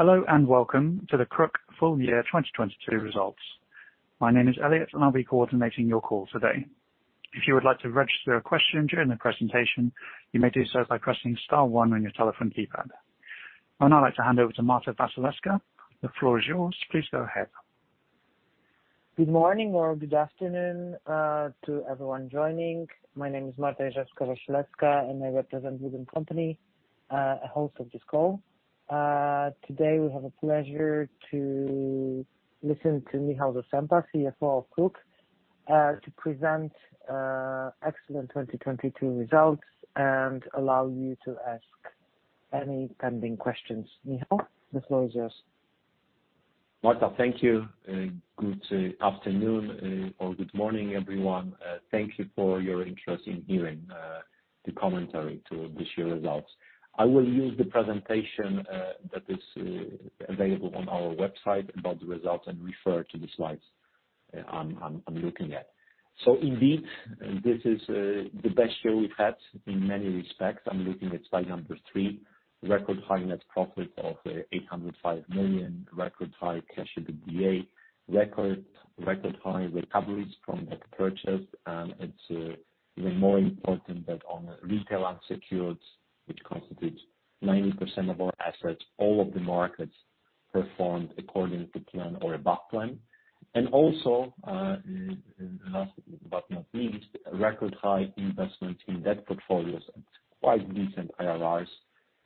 Hello and welcome to the KRUK Full Year 2022 results. My name is Elliot and I'll be coordinating your call today. If you would like to register a question during the presentation, you may do so by pressing star o 1 your telephone keypad. I'd now like to hand over to Marta Jezewska-Wasilewska. The floor is yours. Please go ahead. Good morning or good afternoon to everyone joining. My name is Marta Jezewska-Wasilewska, and I represent Wood & Company, hosts of this call. Today, we have a pleasure to listen to Michał Zasępa Marta, thank you. Good afternoon, or good morning, everyone. Thank you for your interest in hearing, the commentary to this year results. I will use the presentation, that is, available on our website about the results and refer to the Slides, I'm looking at. Indeed, this is, the best year we've had in many respects. I'm looking at Slide 3, record high net profit of 805 million, record high cash EBITDA, record high recoveries from net purchase. It's, even more important that on retail unsecured, which constitutes 90% of our assets, all of the markets performed according to plan or above plan. Also, last but not least, record high investments in debt portfolios at quite decent IRRs.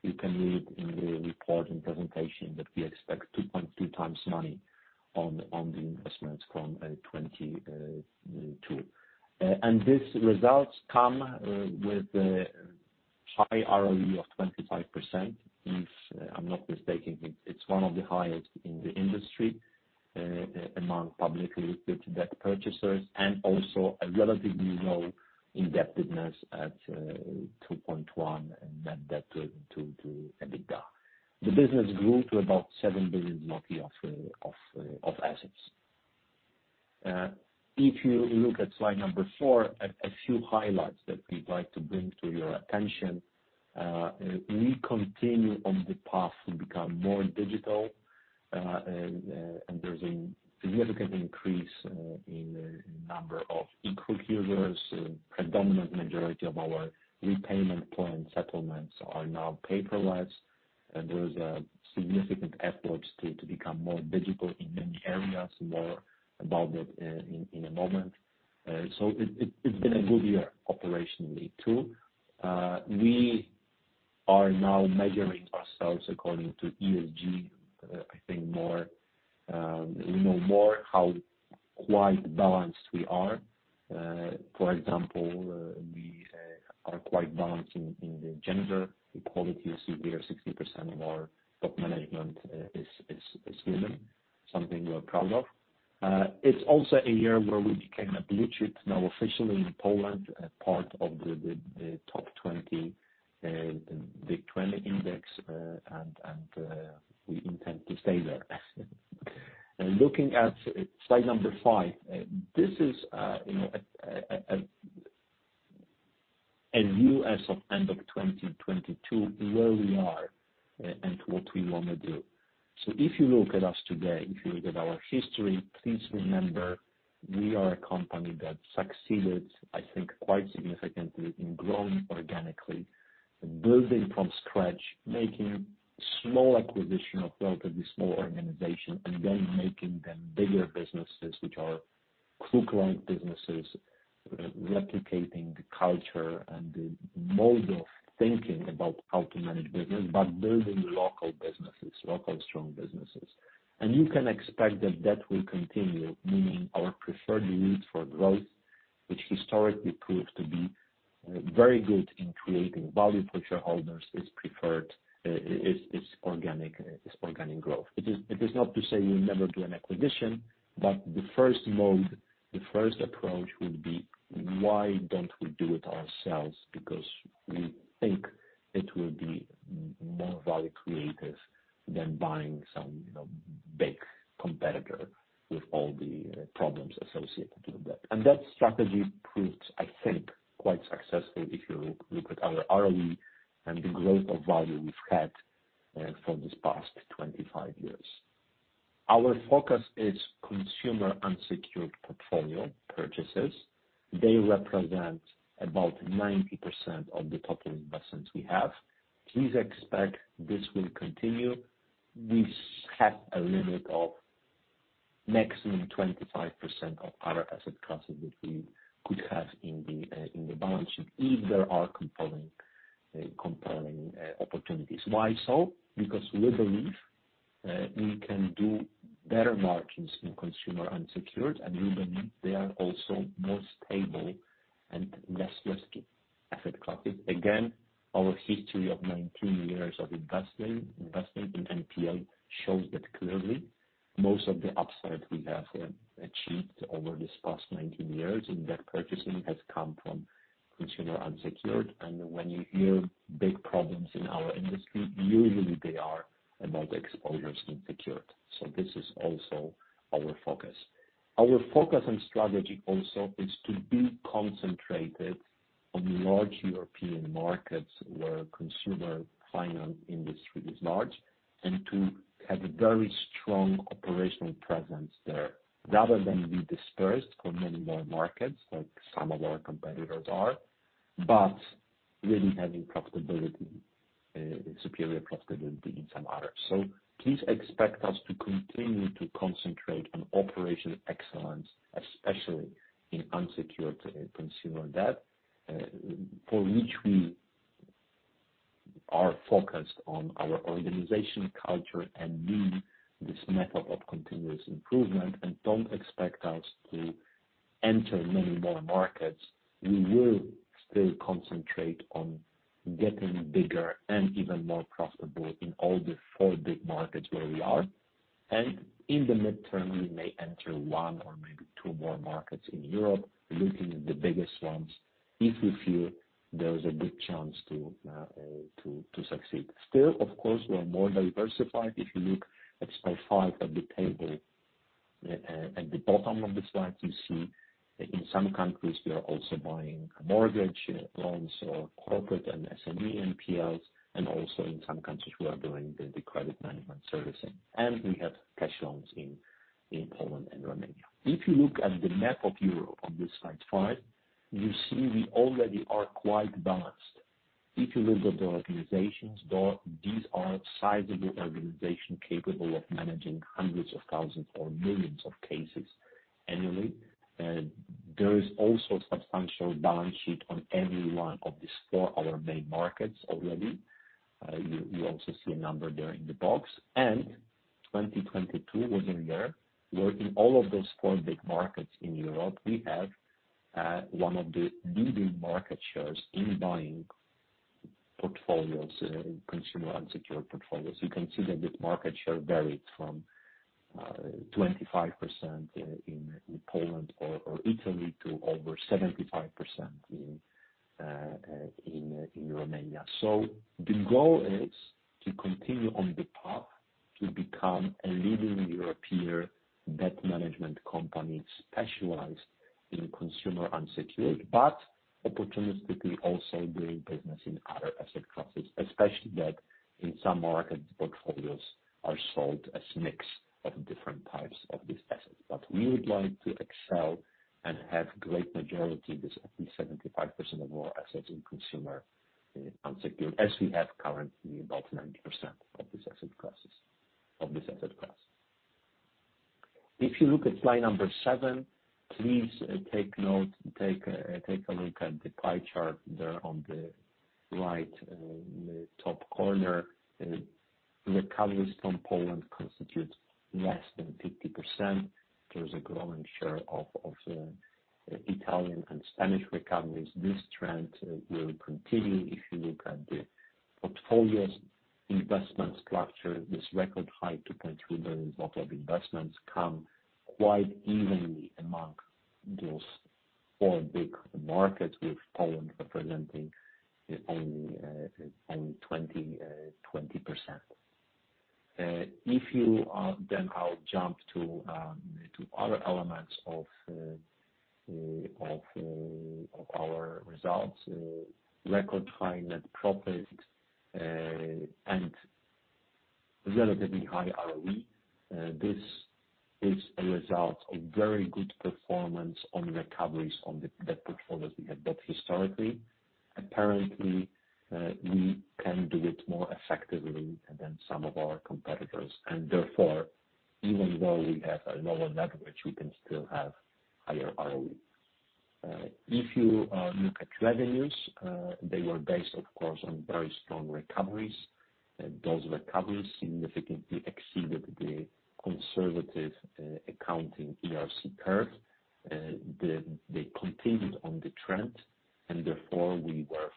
You can read in the report and presentation that we expect 2.2x money on the investments from 2022. These results come with the high ROE of 25%. If I'm not mistaken, it's 1 of the highest in the industry among publicly listed debt purchasers, and also a relatively low indebtedness at 2.1 net debt to EBITDA. The business grew to about 7 billion of assets. If you look at Slide number 4, a few highlights that we'd like to bring to your attention. We continue on the path to become more digital, and there's a significant increase in the number of e-Kruk users. Predominant majority of our repayment plan settlements are now paperless, there's significant efforts to become more digital in many areas. More about that in a moment. It's been a good year operationally too. We are now measuring ourselves according to ESG. I think more, we know more how quite balanced we are. For example, we are quite balanced in the gender equality. 60% of our top management is women, something we are proud of. It's also a year where we became a blue-chip, now officially in Poland, part of the top 20 WIG20 index, and we intend to stay there. Looking at Slide number 5, this is, you know, a view as of end of 2022, where we are and what we want to do. If you look at us today, if you look at our history, please remember we are a company that succeeded, I think, quite significantly in growing organically, building from scratch, making small acquisition of relatively small organization and then making them bigger businesses, which are KRUK-like businesses, replicating the culture and the mode of thinking about how to manage business, but building local businesses, local strong businesses. You can expect that will continue. Meaning our preferred route for growth, which historically proved to be very good in creating value for shareholders, is preferred, is organic growth. It is, it is not to say we'll never do an acquisition, but the first mode, the first approach would be why don't we do it ourselves? Because we think it will be more value creative than buying some, you know, big competitor with all the problems associated with that. That strategy proved, I think, quite successful if you look at our ROE and the growth of value we've had for this past 25 years. Our focus is consumer unsecured portfolio purchases. They represent about 90% of the total investments we have. Please expect this will continue. We have a limit of maximum 25% of other asset classes that we could have in the balance sheet if there are compelling opportunities. Why so? Because we believe we can do better margins in consumer unsecured, and we believe they are also more stable and less risky asset classes. Our history of 19 years of investing in NPL shows that clearly most of the upside we have achieved over this past 19 years in debt purchasing has come from consumer unsecured. When you hear big problems in our industry, usually they are about exposures in secured. This is also our focus. Our focus and strategy also is to be concentrated on large European markets where consumer finance industry is large, and to have a very strong operational presence there rather than be dispersed on many more markets like some of our competitors are, but really having profitability, superior profitability in some others. Please expect us to continue to concentrate on operational excellence, especially in unsecured consumer debt, for which we are focused on our organization culture and Lean this method of continuous improvement. Don't expect us to enter many more markets. We will still concentrate on getting bigger and even more profitable in all the 4 big markets where we are. In the midterm, we may enter 1 or maybe 2 more markets in Europe, looking at the biggest ones, if we feel there is a good chance to succeed. Still, of course, we are more diversified. If you look at Slide 5 at the table, at the bottom of the Slide, you see in some countries we are also buying mortgage loans or corporate and SME NPLs, and also in some countries, we are doing the credit management servicing. We have cash loans in Poland and Romania. If you look at the map of Europe on this Slide 5, you see we already are quite balanced. If you look at the organizations, though, these are sizable organization capable of managing hundreds of thousands or millions of cases annually. There is also substantial balance sheet on every 1 of these 4 other main markets already. You also see a number there in the box. 2022 within the year, where in all of those 4 big markets in Europe, we have 1 of the leading market shares in buying portfolios, consumer unsecured portfolios. You can see that the market share varied from 25% in Poland or Italy to over 75% in Romania. The goal is to continue on the path to become a leading European debt management company specialized in consumer unsecured, but opportunistically also doing business in other asset classes, especially that in some markets, portfolios are sold as mix of different types of these assets. We would like to excel and have great majority, this at least 75% of our assets in consumer unsecured, as we have currently about 90% of this asset class. If you look at Slide number 7, please take note, take a look at the pie chart there on the right, in the top corner. Recoveries from Poland constitute less than 50%. There is a growing share of Italian and Spanish recoveries. This trend will continue. If you look at the portfolios investment structure, this record high 2.3 billion of investments come quite evenly among those 4 big markets, with Poland representing only 20%. I'll jump to other elements of our results. Record high net profits and relatively high ROE. This is a result of very good performance on recoveries on the portfolios we have built historically. Apparently, we can do it more effectively than some of our competitors. Even though we have a lower net, which we can still have higher ROE. If you look at revenues, they were based, of course, on very strong recoveries. Those recoveries significantly exceeded the conservative accounting ERC curve. They continued on the trend. Therefore, we were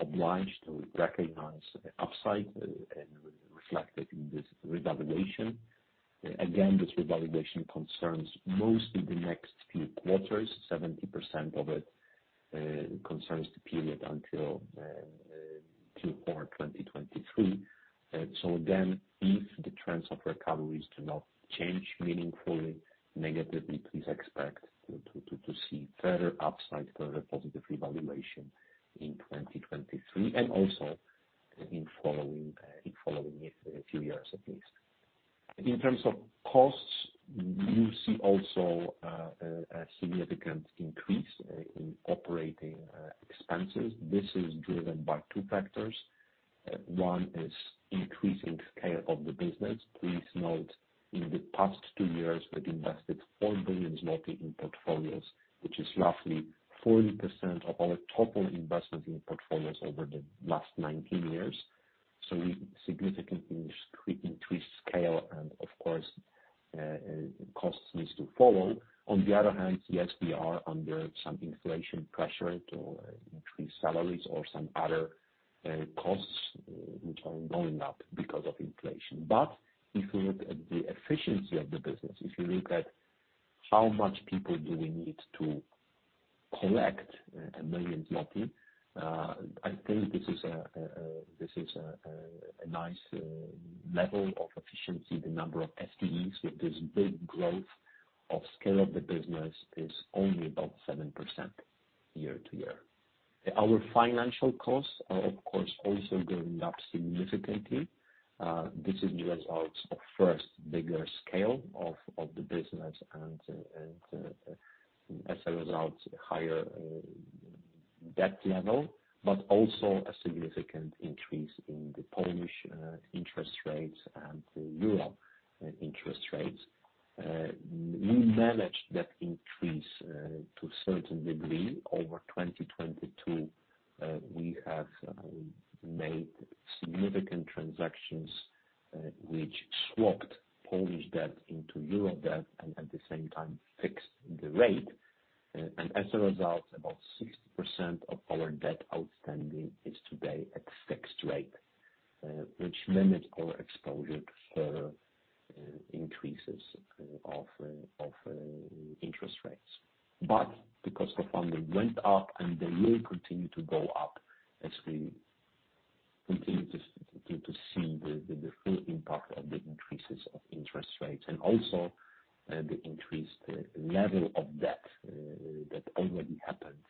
obliged to recognize the upside and reflected in this revaluation. Again, this revaluation concerns mostly the next few 1/4s. 70% of it concerns the period until Q4 2023. Again, if the trends of recoveries do not change meaningfully negatively, please expect to see further upside, further positive revaluation in 2023, and also in following in following year, few years at least. In terms of costs, you see also a significant increase in operating expenses. This is driven by 2 factors. 1 is increasing scale of the business. Please note, in the past 2 years, we've invested 4 billion zloty in portfolios, which is roughly 40% of our total investments in portfolios over the last 19 years. We significantly increased scale and of course, costs needs to follow. On the other hand, yes, we are under some inflation pressure to increase salaries or some other costs which are going up because of inflation. If you look at the efficiency of the business, if you look at how much people do we need to collect 1 million zloty, I think this is a nice level of efficiency, the number of FTEs with this big growth-Of scale of the business is only about 7% year-to-year. Our financial costs are of course, also going up significantly. This is the results of first bigger scale of the business and, as a result, higher debt level, but also a significant increase in the Polish interest rates and the euro interest rates. We managed that increase to a certain degree over 2022. We have made significant transactions which swapped Polish debt into euro debt and at the same time fixed the rate. As a result, about 60% of our debt outstanding is today at fixed rate, which limits our exposure to further increases of interest rates. The cost of funding went up, and they will continue to go up as we continue to see the full impact of the increases of interest rates, and also the increased level of debt that already happened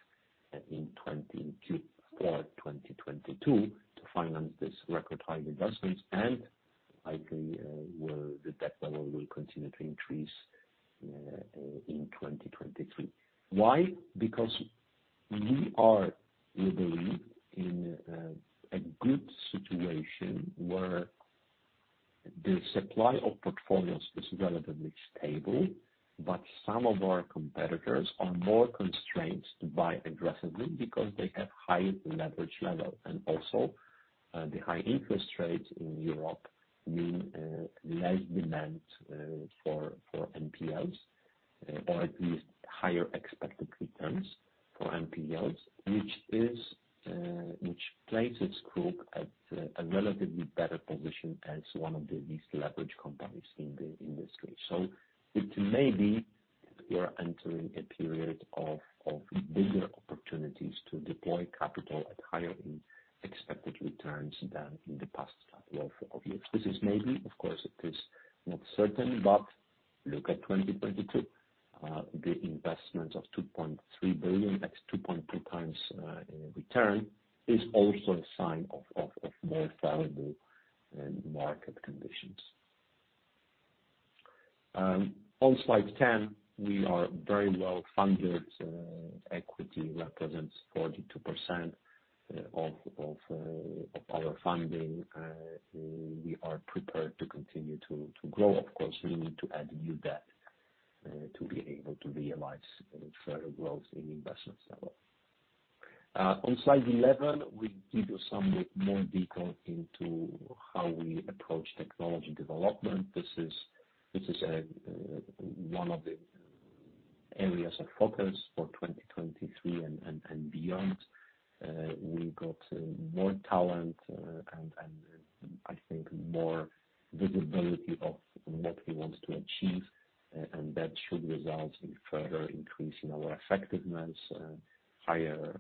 in 22 or 2022 to finance this record high investments. I think where the debt level will continue to increase in 2023. Why? We are, we believe, in a good situation where the supply of portfolios is relatively stable, but some of our competitors are more constrained to buy aggressively because they have higher leverage level. The high interest rates in Europe mean less demand for NPLs, or at least higher expected returns for NPLs, which places group at a relatively better position as 1 of the least leveraged companies in the industry. It may be we're entering a period of bigger opportunities to deploy capital at higher expected returns than in the past couple of years. This is maybe, of course, it is not certain, but look at 2022. The investment of 2.3 billion PLN at 2.2x return is also a sign of more favorable market conditions. On Slide 10, we are very Well-funded. Equity represents 42% of our funding. We are prepared to continue to grow. Of course, we need to add new debt, to be able to realize further growth in investment level. On Slide 11, we give you some more detail into how we approach technology development. This is 1 of the areas of focus for 2023 and beyond. We got more talent, and I think more visibility of what we want to achieve, and that should result in further increase in our effectiveness, higher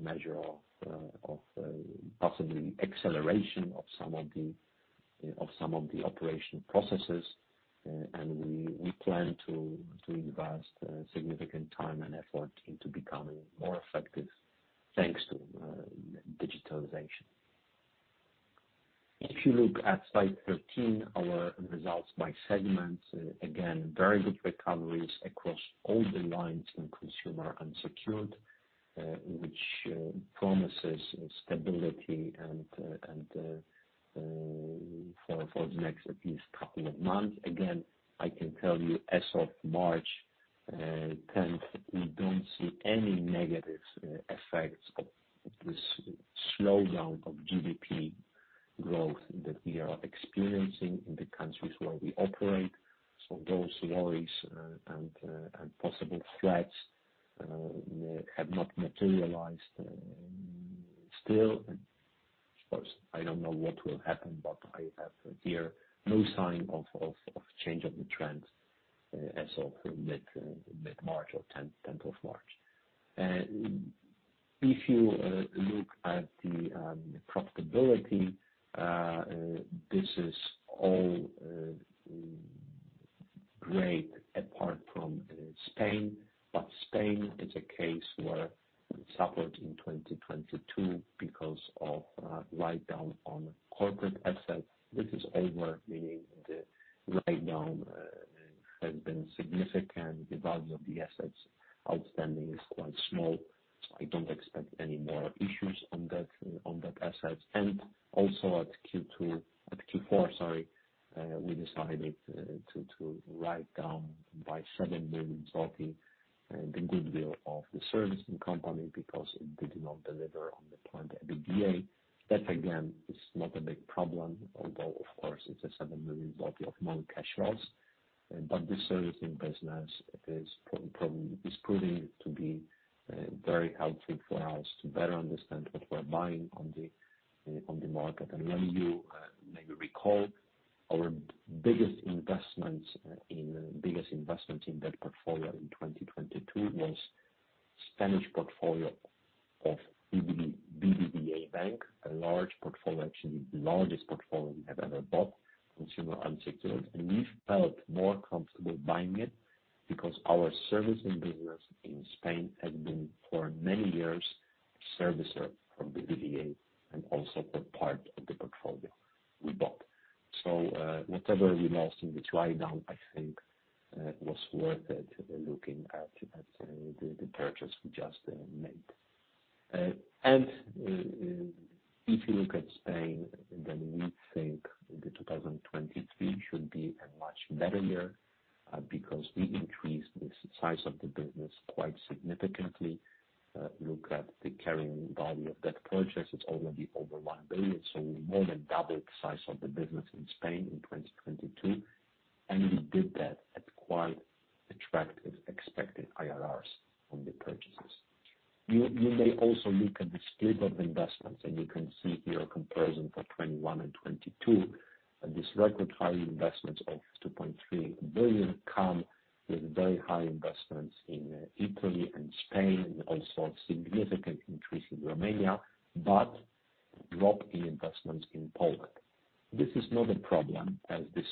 measure of possibly acceleration of some of the operational processes. We plan to invest significant time and effort into becoming more effective, thanks to digitalization. If you look at Slide 13, our results by segment, again, very good recoveries across all the lines in consumer unsecured, which promises stability and, for the next at least couple of months. Again, I can tell you as of March 10th, we don't see any negative effects of this slowdown of GDP growth that we are experiencing in the countries where we operate. Those worries, and possible threats, have not materialized, still. Of course, I don't know what will happen, but I have here no sign of change of the trends as of mid-March or 10th of March. If you look at the profitability, this is all great apart from Spain. Spain is a case where it suffered in 2022 because of a write down on corporate assets. This is over, meaning the write down has been significant. The value of the assets outstanding is quite small. I don't expect any more issues on that, on that asset. Also at Q2, at Q4, sorry, we decided to write down by 7 million the goodwill of the servicing company because it did not deliver on the planned EBITDA. That, again, is not a big problem, although of course it's a 7 million of non-cash loss. But this servicing business is proving to be very helpful for us to better understand what we're buying on the market. Many of you, maybe recall our biggest investments in that portfolio in 2022 was-Spanish portfolio of BBVA Bank, a large portfolio, actually the largest portfolio we have ever bought, consumer unsecured. We felt more comfortable buying it because our servicing business in Spain has been for many years a servicer for BBVA and also a part of the portfolio we bought. Whatever we lost in the write-down, I think, was worth it, looking at, the purchase we just made. If you look at Spain, we think 2023 should be a much better year, because we increased the size of the business quite significantly. Look at the carrying value of that purchase. It's already over 1 billion. We more than doubled the size of the business in Spain in 2022, and we did that at quite attractive expected IRRs from the purchases. You may also look at the split of investments, and you can see here a comparison for 2021 and 2022. This record high investments of 2.3 billion come with very high investments in Italy and Spain, also a significant increase in Romania, but drop in investments in Poland. This is not a problem, as this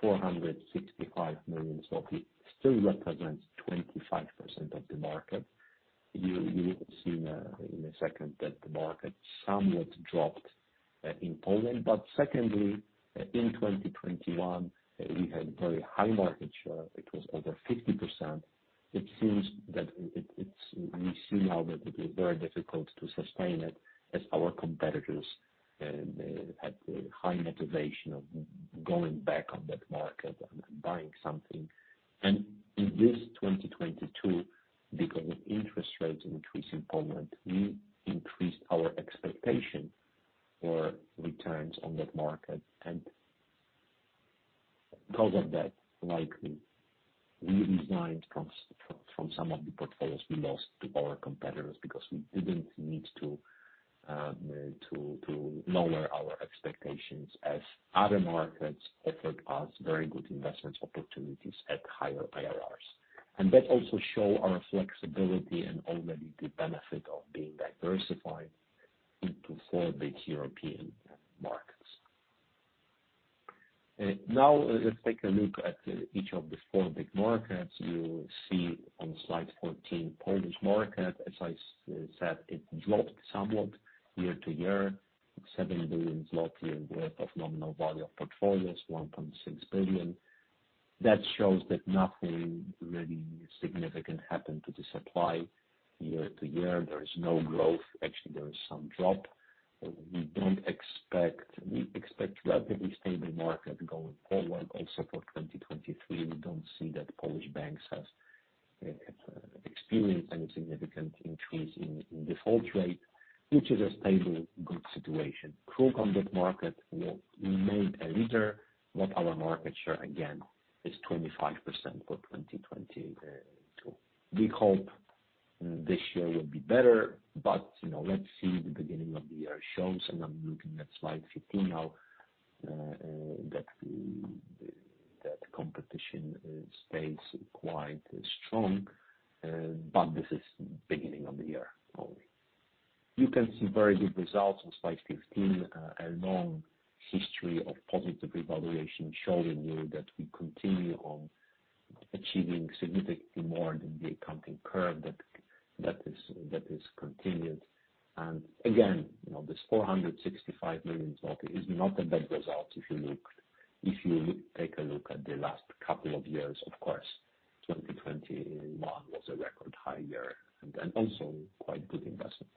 465 million still represents 25% of the market. You will see in a second that the market somewhat dropped in Poland. Secondly, in 2021, we had very high market share. It was over 50%. It seems that it's we see now that it is very difficult to sustain it as our competitors had high motivation of going back on that market and buying something. In this 2022, because of interest rates increase in Poland, we increased our expectation for returns on that market. Because of that, likely we resigned from some of the portfolios we lost to our competitors because we didn't need to lower our expectations as other markets offered us very good investments opportunities at higher IRRs. That also show our flexibility and already the benefit of being diversified into 4 big European markets. Now, let's take a look at each of the 4 big markets. You see on Slide 14, Polish market. As I said, it dropped somewhat year-to-year. 7 billion zloty worth of nominal value of portfolios, 1.6 billion. That shows that nothing really significant happened to the supply year-over-year. There is no growth. Actually, there is some drop. We expect relatively stable market going forward also for 2023. We don't see that Polish banks has experienced any significant increase in default rate, which is a stable, good situation. KRUK on that market, we made a leader, but our market share, again, is 25% for 2022. We hope this year will be better, you know, let's see the beginning of the year shows, and I'm looking at Slide 15 now, that competition stays quite strong, this is beginning of the year only. You can see very good results on Slide 15, a long history of positive revaluation showing you that we continue on achieving significantly more than the accounting curve that is continued. Again, you know, this 465 million is not a bad result if you look. If you take a look at the last couple of years, of course, 2021 was a record high year and also quite good investment.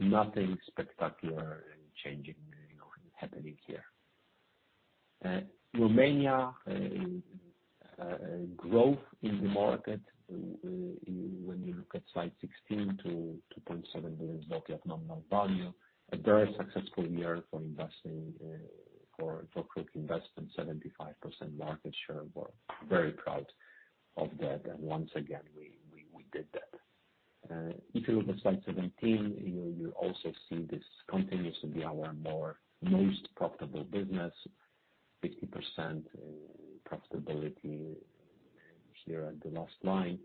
Nothing spectacular and changing, you know, happening here. Romania, growth in the market, when you look at Slide 16 to 2.7 billion of nominal value. A very successful year for investing, for KRUK investment, 75% market share. We're very proud of that. Once again, we did that. If you look at Slide 17, you also see this continues to be our most profitable business, 50% profitability here at the last line.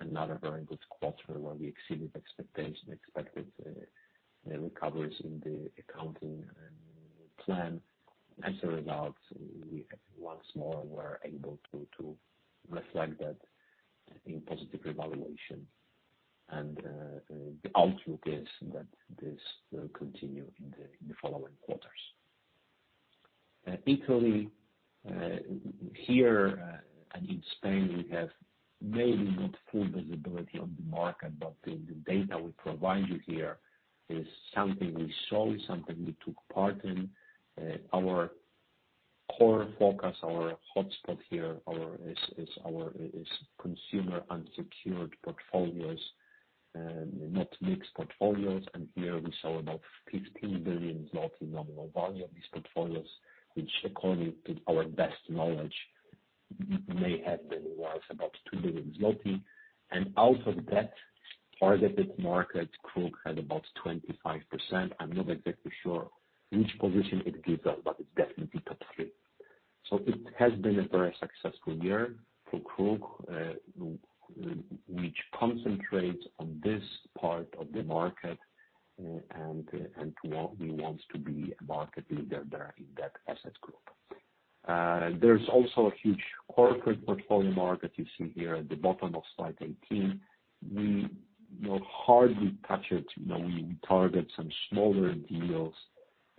Another very good 1/4 where we exceeded expected recoveries in the accounting plan. We once more were able to reflect that in positive revaluation. The outlook is that this will continue in the following 1/4s. Italy, here in Spain, we have maybe not full visibility on the market, but the data we provide you here is something we saw, is something we took part in. Our core focus, our hotspot here, is consumer unsecured portfolios, not mixed portfolios. Here we saw about 15 billion nominal value of these portfolios, which according to our best knowledge, may have been worth about 2 billion zloty. Out of that targeted market, KRUK had about 25%. I'm not exactly sure which position it gives us, but it's definitely top 3. It has been a very successful year for KRUK, which concentrates on this part of the market, and what we want to be a market leader there in that asset group. There's also a huge corporate portfolio market you see here at the bottom of Slide 18. We will hardly touch it. You know, we target some smaller deals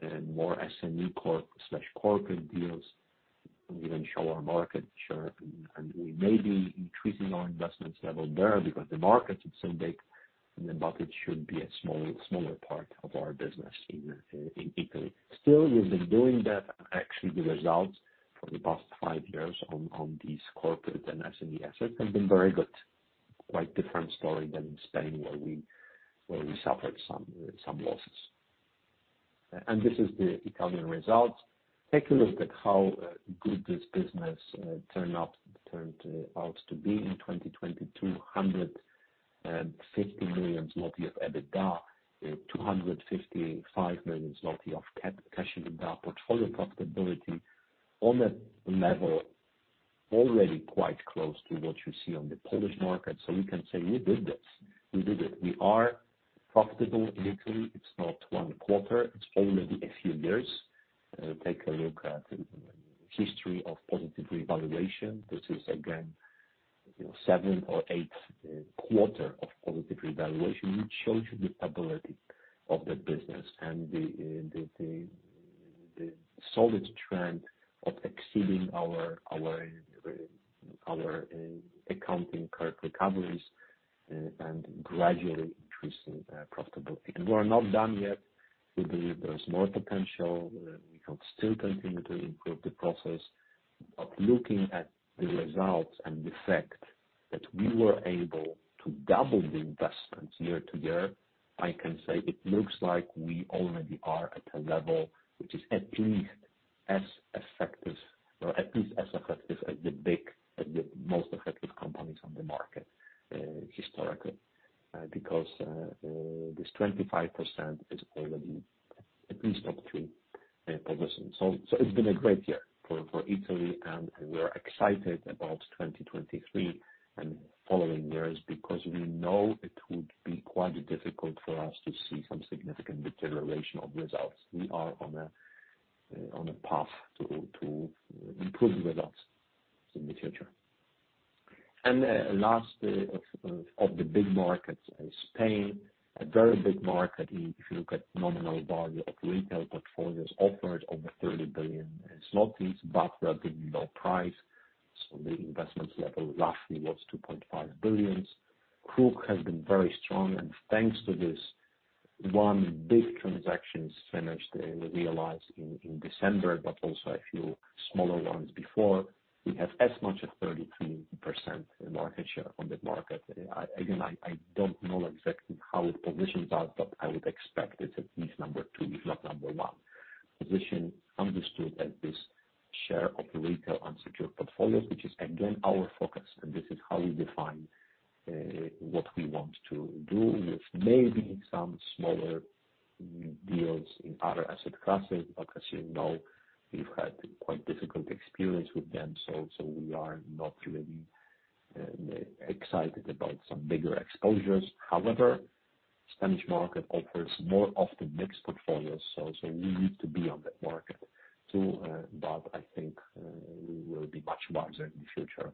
and more SME corp/corporate deals. We show our market share. We may be increasing our investments level there because the market is so big, and the market should be a smaller part of our business in Italy. Still, we've been doing that. Actually, the results for the past 5 years on these corporate and SME assets have been very good. Quite different story than in Spain, where we suffered some losses. This is the Italian results. Take a look at how good this business turned out to be in 2022. 150 million zloty of EBITDA. 255 million zloty of cash EBITDA. Portfolio profitability on a level already quite close to what you see on the Polish market. We can say we did this. We did it. We are profitable in Italy. It's not 1 1/4, it's already a few years. Take a look at history of positive revaluation. This is again, you know, 7 or 8 1/4 of positive revaluation, which shows you the stability of the business and the solid trend of exceeding our accounting curve recoveries and gradually increasing profitability. We're not done yet. We believe there's more potential. We can still continue to improve the process. Looking at the results and the fact that we were able to double the investments year to year, I can say it looks like we already are at a level which is at least as effective as the most effective companies on the market historically. Because this 25% is already at least up to progress. It's been a great year for Italy, and we are excited about 2023 and following years because we know it would be quite difficult for us to see some significant deterioration of results. We are on a path to improve results in the future. Last of the big markets is Spain, a very big market if you look at nominal value of retail portfolios offered over 30 billion zlotys but a low price. The investment level lastly was 2.5 billion. KRUK has been very strong and thanks to this 1 big transaction finished, realized in December, but also a few smaller ones before. We have as much as 32% market share on that market. Again, I don't know exactly how its positions are, but I would expect it's at least number 2, if not number 1. Position understood as this share of retail unsecured portfolios, which is again our focus. This is how we define what we want to do with maybe some smaller deals in other asset classes. As you know, we've had quite difficult experience with them, so we are not really excited about some bigger exposures. However, Spanish market offers more of the mixed portfolios, so we need to be on that market too. I think we will be much larger in the future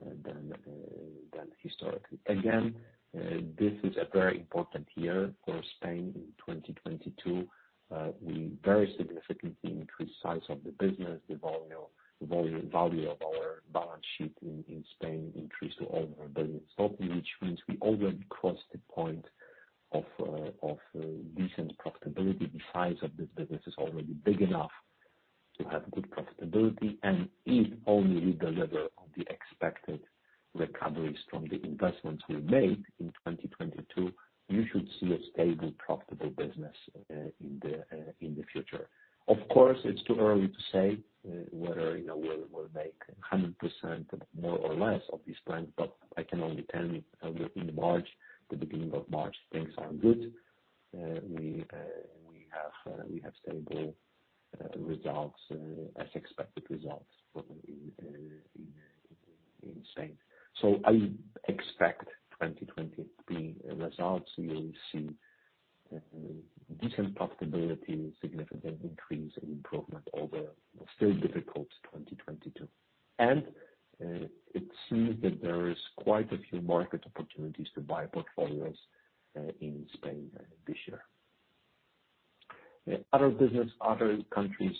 than historically. Again, this is a very important year for Spain in 2022. We very significantly increased size of the business. The volume, value of our balance sheet in Spain increased to over 1 billion PLN, which means we already crossed the point of decent profitability. The size of this business is already big enough to have good profitability, and if only we deliver on the expected recoveries from the investments we made in 2022, you should see a stable, profitable business in the future. Of course, it's too early to say whether, you know, we'll make 100% more or less of these plans, but I can only tell you in March, the beginning of March, things are good. We have stable results as expected results in Spain. I expect 2023 results, you'll see decent profitability, significant increase and improvement over still difficult 2022. It seems that there is quite a few market opportunities to buy portfolios in Spain this year. Other business, other countries,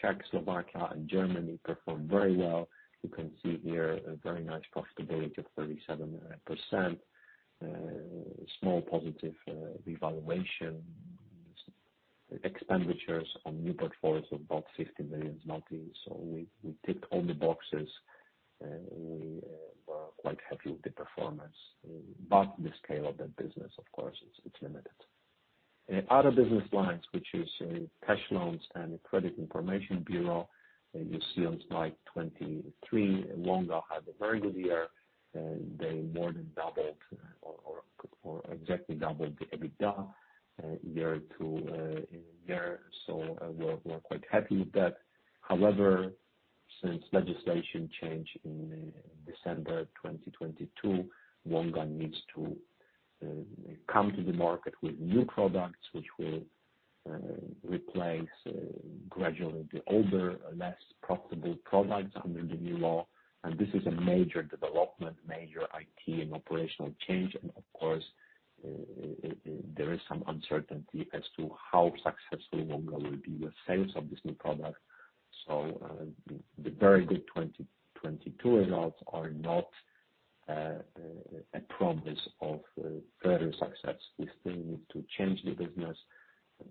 Czech, Slovakia and Germany perform very well. You can see here a very nice profitability of 37%. Small positive revaluation. Expenditures on new portfolios of about 50 million. We ticked all the boxes, and we were quite happy with the performance. The scale of that business of course is, it's limited. Other business lines, which is cash loans and Credit Information Bureau, you see on Slide 23. Wonga had a very good year. They more than doubled or exactly double the EBITDA year to in there. We're quite happy with that. However, since legislation changed in December 2022, Wonga needs to come to the market with new products which will replace gradually the older, less profitable products under the new law. This is a major development, major IT and operational change. Of course, there is some uncertainty as to how successful Wonga will be with sales of this new product. The very good 2022 results are not a promise of further success. We still need to change the business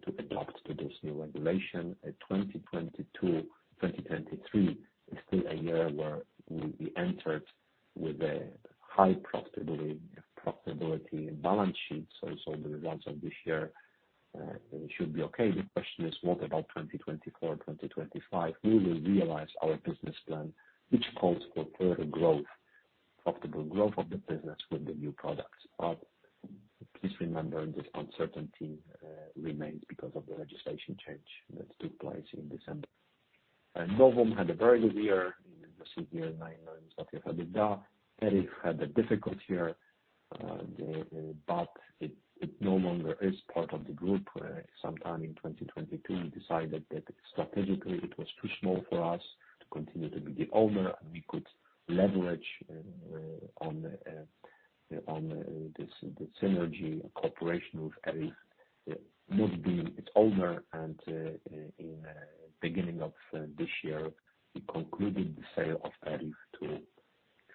to adopt to this new regulation. 2022, 2023 is still a year where we entered with a high profitability balance sheet. The results of this year should be okay. The question is, what about 2024, 2025? We will realize our business plan, which calls for further growth, profitable growth of the business with the new products. Please remember this uncertainty remains because of the legislation change that took place in December. Novum had a very good year. You can see here PLN 9 million EBITDA. ERIF had a difficult year, but it no longer is part of the group. Sometime in 2022, we decided that strategically it was too small for us to continue to be the owner, and we could leverage on this, the synergy cooperation with ERIF, not being its owner. In beginning of this year, we concluded the sale of ERIF to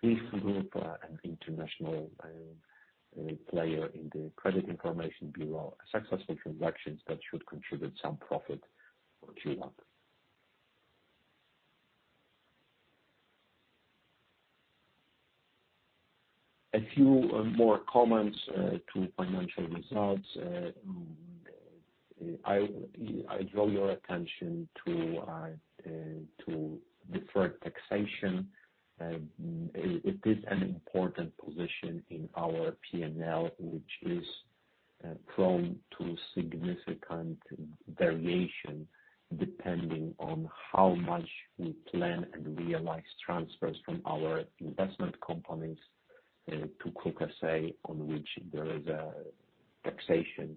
CRIF Group, an international player in the Credit Information Bureau. A successful transaction that should contribute some profit for Q1. A few more comments to financial results. I draw your attention to deferred taxation. It is an important position in our P&L, which is prone to significant variation depending on how much we plan and realize transfers from our investment components to KRUK S.A., on which there is a taxation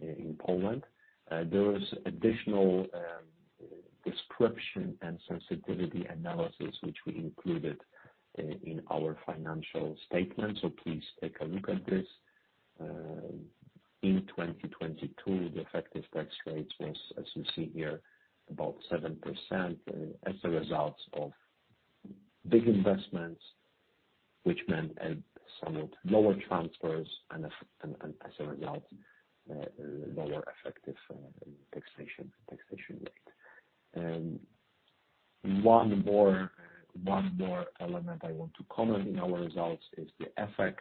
in Poland. There is additional description and sensitivity analysis which we included in our financial statements. Please take a look at this. In 2022, the effective tax rate was, as you see here, about 7%, as a result of big investments, which meant some lower transfers and as a result, lower effective taxation rate. 1 more element I want to comment in our results is the FX.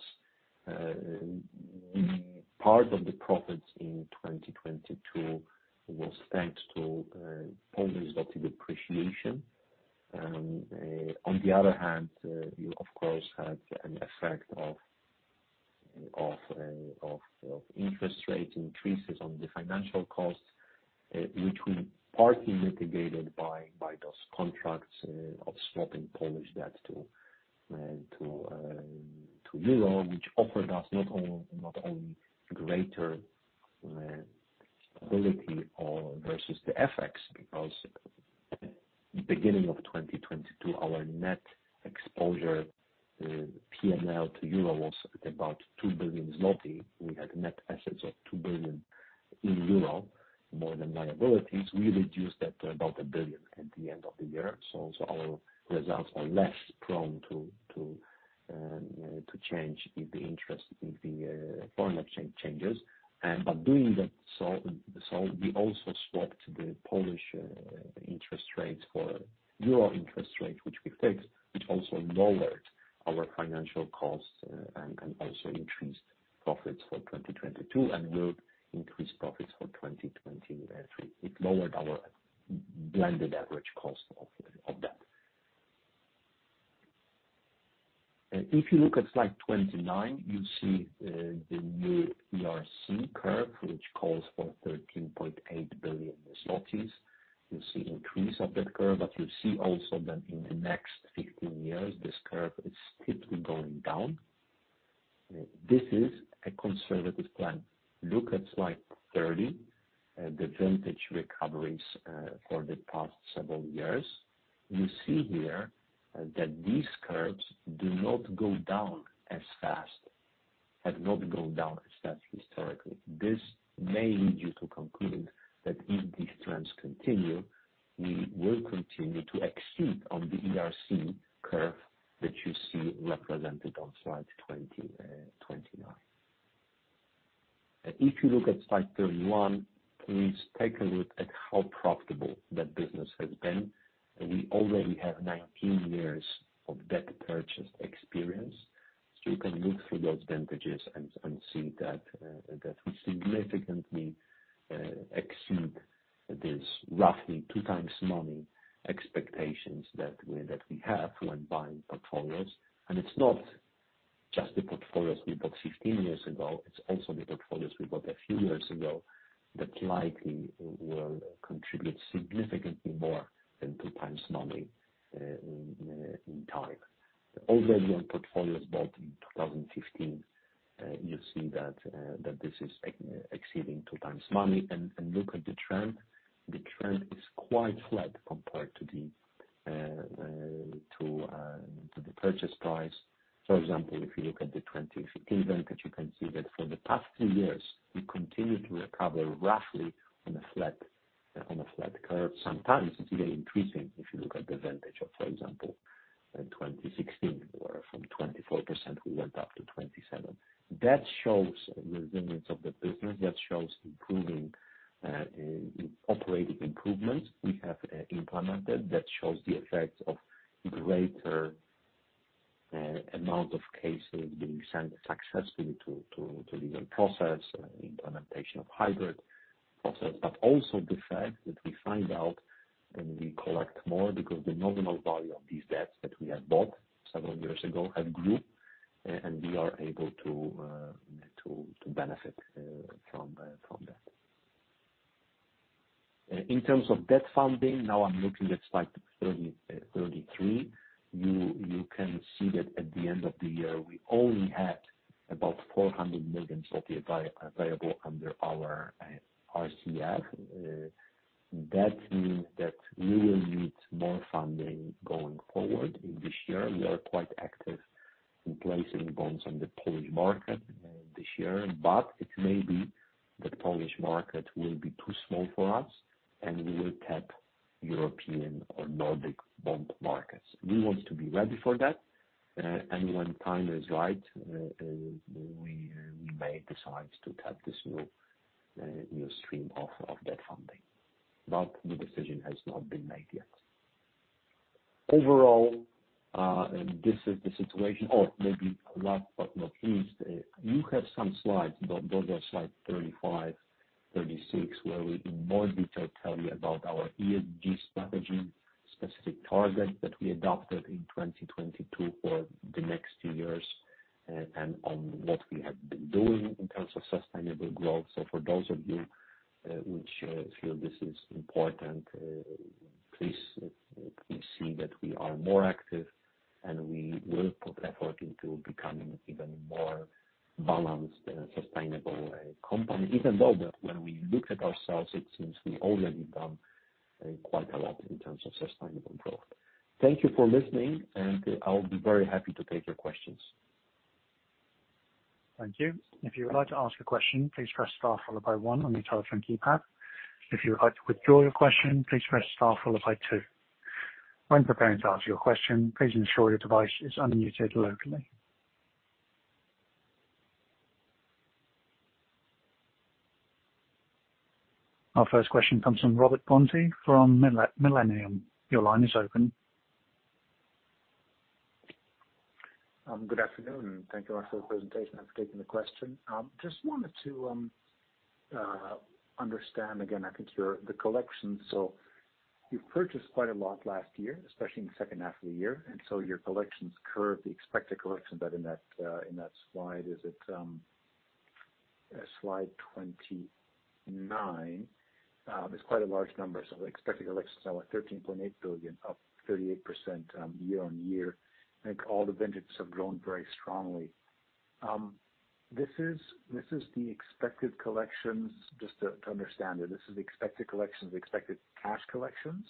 Part of the profits in 2022 was thanks to Polish zloty depreciation. On the other hand, you of course had an effect of interest rate increases on the financial costs, which we partly mitigated by those contracts of swapping Polish debt to euro, which offered us not only greater stability or versus the FX, because beginning of 2022, our net exposure P&L to euro was about 2 billion zloty. We had net assets of 2 billion euro, more than liabilities. We reduced that to about 1 billion EUR at the end of the year. Our results are less prone to change if the foreign exchange changes. Doing that, we also swapped the Polish interest rates for euro interest rates, which we fixed, which also lowered our financial costs, and also increased profits for 2022 and will increase profits for 2023. It lowered our blended average cost of debt. If you look at Slide 29, you see the new ERC curve, which calls for 13.8 billion zlotys. You see increase of that curve, but you see also that in the next 15 years, this curve is steadily going down. This is a conservative plan. Look at Slide 30, the vintage recoveries for the past several years. You see here that these curves do not go down as fast, have not gone down as fast historically. This may lead you to conclude that if these trends continue, we will continue to exceed on the ERC curve that you see represented on Slide 29. If you look at Slide 31, please take a look at how profitable that business has been. We already have 19 years of debt purchase experience. You can look through those vintages and see that we significantly exceed. There's roughly 2 times money expectations that we have when buying portfolios. It's not just the portfolios we bought 15 years ago, it's also the portfolios we bought a few years ago that likely will contribute significantly more than 2 times money in time. Already on portfolios bought in 2015, you see that this is exceeding 2 times money. Look at the trend. The trend is quite flat compared to the to the purchase price. For example, if you look at the 2015 vintage, you can see that for the past few years, we continue to recover roughly on a flat curve. Sometimes it's even increasing, if you look at the vintage of, for example, 2016, where from 24% we went up to 27%. That shows resilience of the business. That shows improving operating improvements we have implemented. That shows the effect of greater amount of cases being sent successfully to legal process, implementation of hybrid process. Also the fact that we find out and we collect more because the nominal value of these debts that we have bought several years ago have grew, and we are able to benefit from that. In terms of debt funding, now I'm looking at Slide 30, 33. You can see that at the end of the year, we only had about 400 million available under our RCF. That means that we will need more funding going forward. In this year, we are quite active in placing bonds on the Polish market this year. It may be that Polish market will be too small for us, and we will tap European or Nordic bond markets. We want to be ready for that. When time is right, we may decide to tap this new stream of debt funding. The decision has not been made yet. Overall, this is the situation. Oh, maybe last but not least, you have some Slides, but those are Slide 35, 36, where we in more detail tell you about our ESG strategy, specific targets that we adopted in 2022 for the next 2 years, and on what we have been doing in terms of sustainable growth. For those of you, which feel this is important, please see that we are more active, and we will put effort into becoming even more balanced and sustainable company. Even though that when we look at ourselves, it seems we already done quite a lot in terms of sustainable growth. Thank you for listening, and I'll be very happy to take your questions. Thank you. If you would like to ask a question, please press star followed by 1 on your telephone keypad. If you would like to withdraw your question, please press star followed by 2. When preparing to ask your question, please ensure your device is unmuted locally. Our first question comes from Robert Bonte from Millennium. Your line is open. Good afternoon. Thank you, Marcin, for the presentation. I have taken the question. Just wanted to understand again, I think your, the collection. You've purchased quite a lot last year, especially in the second 1/2 of the year, your collections curve, the expected collection that in that Slide, is it Slide 29. It's quite a large number. Expected collections are what, 13.8 billion, up 38% year-over-year. I think all the vintages have grown very strongly. This is the expected collections, just to understand it, this is the expected collections, the expected cash collections?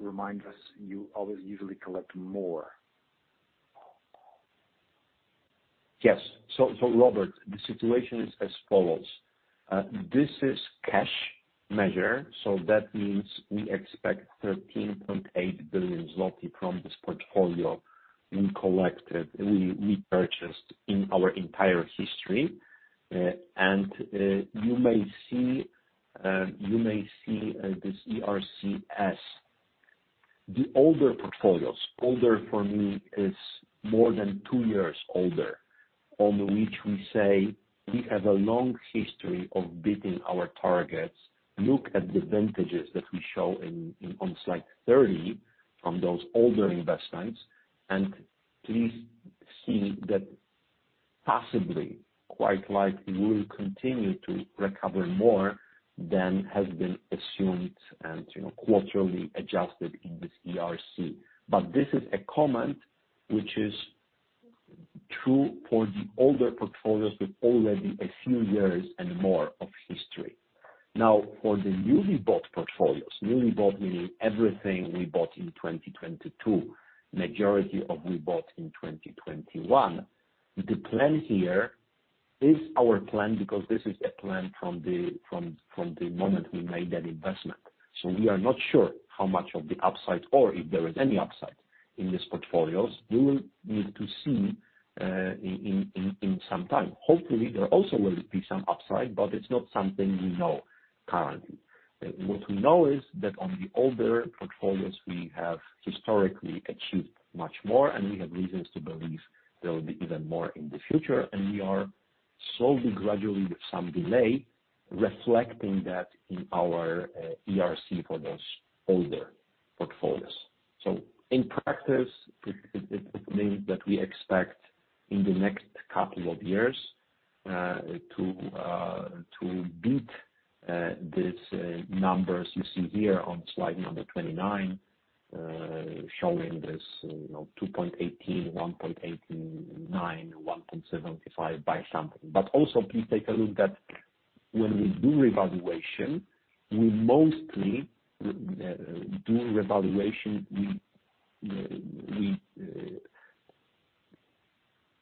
Remind us, you always usually collect more. Yes. Robert, the situation is as follows. This is cash measure. That means we expect 13.8 billion zloty from this portfolio we collected, we purchased in our entire history. You may see this ERCs. The older portfolios, older for me is more than 2 years older, on which we say we have a long history of beating our targets. Look at the vintages that we show in, on Slide 30 from those older investments, and please see that possibly, quite likely, we'll continue to recover more than has been assumed and, you know, 1/4ly adjusted in this ERC. This is a comment which is true for the older portfolios with already a few years and more of history. For the newly bought portfolios, newly bought meaning everything we bought in 2022, majority of we bought in 2021, the plan here is our plan because this is a plan from the moment we made that investment. We are not sure how much of the upside or if there is any upside in these portfolios. We will need to see in some time. Hopefully, there also will be some upside, but it's not something we know. Currently, what we know is that on the older portfolios we have historically achieved much more, and we have reasons to believe there will be even more in the future, and we are slowly, gradually with some delay, reflecting that in our ERC for those older portfolios. In practice, it means that we expect in the next couple of years to beat these numbers you see here on Slide number 29, showing this, you know, 2.18, 1.89, 1.75 by something. Also please take a look that when we do revaluation, we mostly do revaluation, we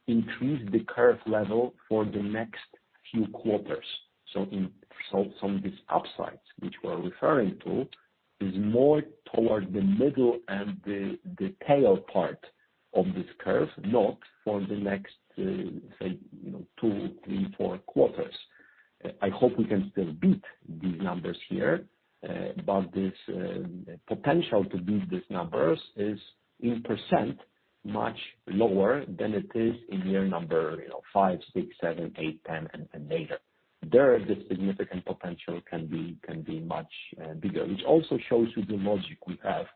increase the curve level for the next few 1/4s. Some of these upsides which we're referring to is more towards the middle and the tail part of this curve, not for the next, you know, 2, 3, 4 1/4s. I hope we can still beat these numbers here, but this potential to beat these numbers is in % much lower than it is in year number, you know, 5, 6, 7, 8, 10, and later. There, the significant potential can be much bigger. Which also shows you the logic we have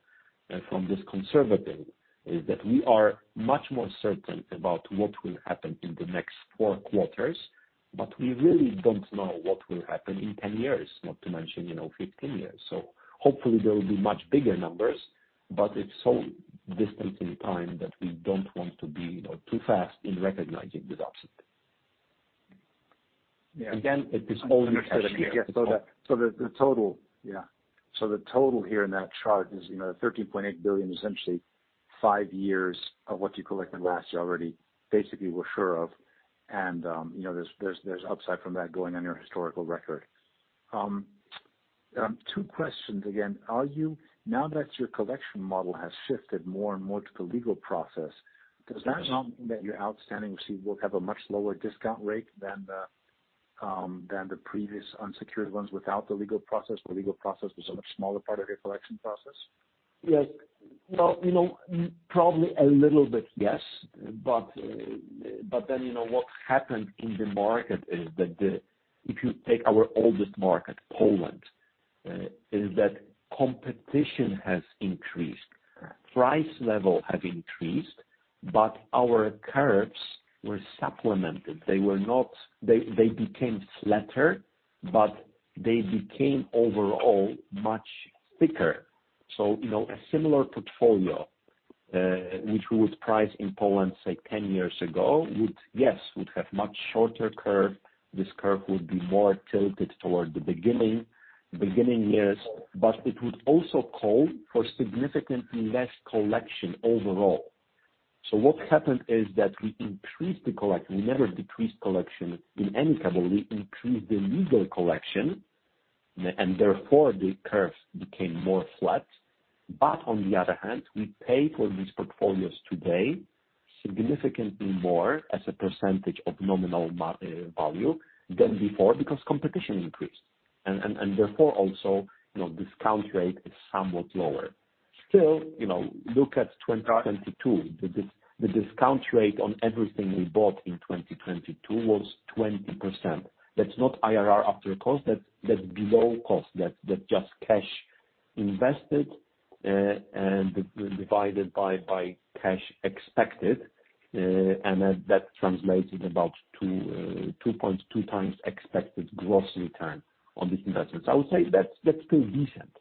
from this conservative, is that we are much more certain about what will happen in the next 4 1/4s, but we really don't know what will happen in 10 years, not to mention, you know, 15 years. Hopefully, there will be much bigger numbers, but it's so distant in time that we don't want to be, you know, too fast in recognizing this offset. Yeah. Again, it is. Understood. The total here in that chart is, you know, 13.8 billion, essentially 5 years of what you collected last year already, basically we're sure of. You know, there's upside from that going on your historical record. Two questions again. Now that your collection model has shifted more and more to the legal process, does that mean that your outstanding receipt will have a much lower discount rate than the previous unsecured ones without the legal process? The legal process was a much smaller part of your collection process. Yes. Well, you know, probably a little bit, yes. You know, what happened in the market is that if you take our oldest market, Poland, is that competition has increased. Right. Price level have increased, but our curves were supplemented. They became flatter, but they became overall much thicker. You know, a similar portfolio, which we would price in Poland, say 10 years ago, would, yes, would have much shorter curve. This curve would be more tilted toward the beginning years, but it would also call for significantly less collection overall. What happened is that we increased the collection. We never decreased collection in any category. We increased the legal collection, and therefore the curves became more flat. On the other hand, we pay for these portfolios today significantly more as a percentage of nominal value than before because competition increased and therefore also, you know, discount rate is somewhat lower. You know, look at 2022. The discount rate on everything we bought in 2022 was 20%. That's not IRR after cost, that's below cost. That's just cash invested and divided by cash expected, and then that translates in about 2.2 times expected gross return on the investments. I would say that's still decent.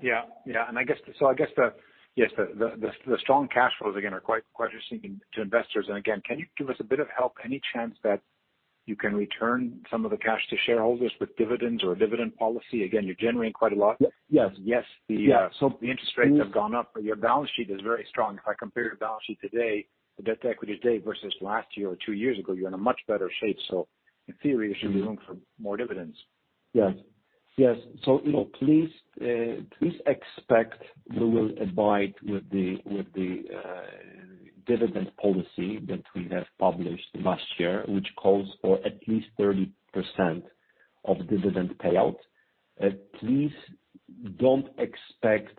Yeah. Yeah. I guess the strong cash flows again are quite interesting to investors. Again, can you give us a bit of help? Any chance that you can return some of the cash to shareholders with dividends or a dividend policy? Again, you're generating quite a lot. Yes. Yes. The, Yeah. The interest rates have gone up. Your balance sheet is very strong. If I compare your balance sheet today, the debt to equity today versus last year or 2 years ago, you're in a much better shape. In theory, there should be room for more dividends. Yes. Yes. You know, please expect we will abide with the dividend policy that we have published last year, which calls for at least 30% of dividend payout. Please don't expect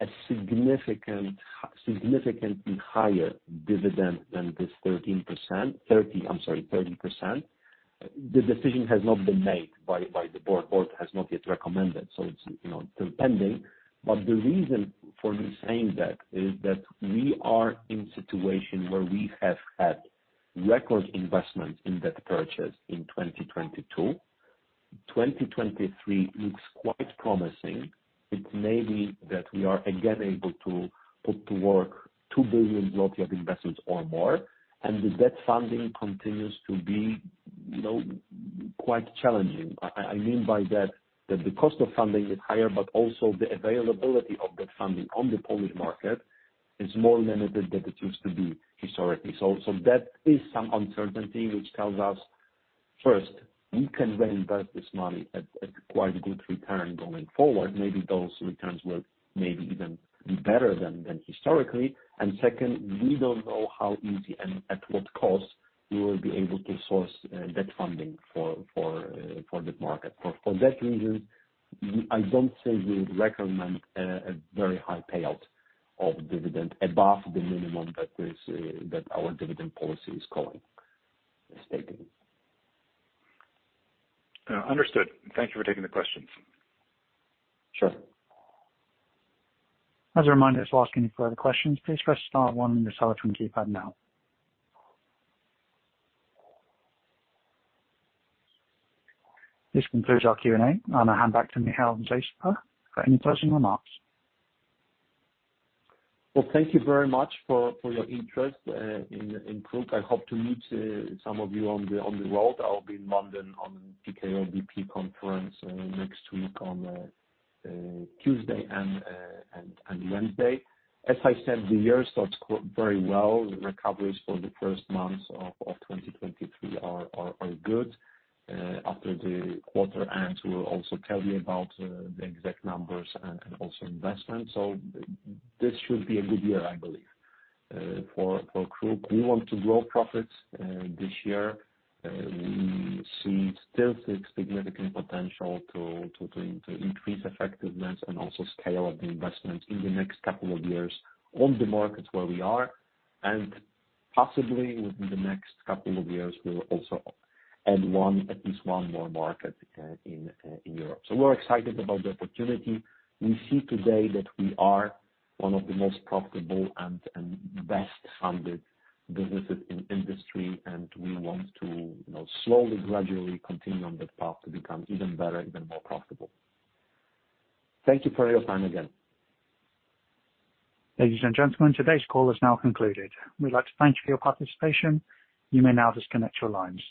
a significantly higher dividend than this 13%. 30%, I'm sorry, 30%. The decision has not been made by the board. Board has not yet recommended, so it's, you know, still pending. The reason for me saying that is that we are in situation where we have had record investment in debt purchase in 2022. 2023 looks quite promising. It may be that we are again able to put to work 2 billion of investments or more, and the debt funding continues to be, you know, quite challenging. I mean by that the cost of funding is higher, but also the availability of that funding on the Polish market is more limited than it used to be historically. That is some uncertainty which tells us, first, we can reinvest this money at quite a good return going forward. Maybe those returns will even be better than historically. Second, we don't know how easy and at what cost we will be able to source debt funding for that market. For that reason, I don't say we would recommend a very high payout of dividend above the minimum that our dividend policy is calling, is stating. Understood. Thank you for taking the questions. Sure. As a reminder, to ask any further questions, please press star 1 on your telephone keypad now. This concludes our Q&A. I'm gonna hand back to Michał Zasępa for closing remarks Well, thank you very much for your interest in KRUK. I hope to meet some of you on the road. I'll be in London on PKO BP conference next week on Tuesday and Wednesday. As I said, the year starts very well. The recoveries for the first months of 2023 are good. After the 1/4 ends, we'll also tell you about the exact numbers and also investments. This should be a good year, I believe, for KRUK. We want to grow profits this year. We see still significant potential to increase effectiveness and also scale up the investment in the next couple of years on the markets where we are. Possibly within the next couple of years, we'll also add 1, at least 1 more market, in Europe. We're excited about the opportunity. We see today that we are 1 of the most profitable and best-funded businesses in industry, and we want to, you know, slowly, gradually continue on that path to become even better, even more profitable. Thank you for your time again. Ladies and gentlemen, today's call is now concluded. We'd like to thank you for your participation. You may now disconnect your lines.